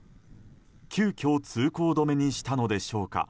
急きょ通行止めにしたのでしょうか